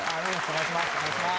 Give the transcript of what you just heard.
お願いします